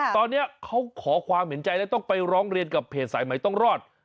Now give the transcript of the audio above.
ตอนนี้เขาขอความเห็นใจแล้วต้องไปร้องเรียนกับเพจสายใหม่ต้องรอด